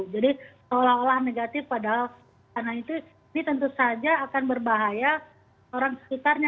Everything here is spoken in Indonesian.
jadi seolah olah negatif padahal karena itu ini tentu saja akan berbahaya orang sekitarnya